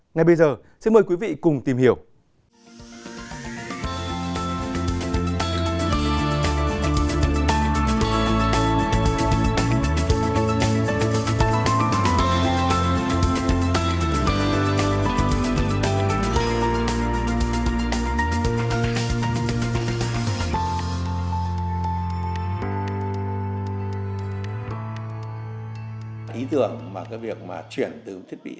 ngay bây giờ xin mời quý vị cùng tìm hiểu